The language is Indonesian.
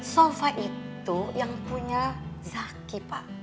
sofa itu yang punya zaki pak